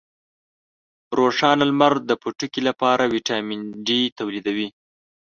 روښانه لمر د پوټکي لپاره ویټامین ډي تولیدوي.